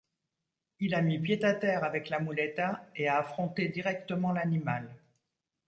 Il a mis pied à terre avec la muleta et a affronté directement l'animal.